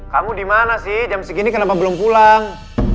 kamu dimana sih jam segini kenapa belum pulang